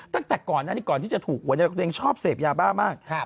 ตั้งแต่ก่อนที่จะถูกหัวตัวเองชอบเสพยาบ้ามาก